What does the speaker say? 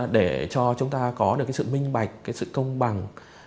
để cho chúng ta có được sự minh bạch sự công bằng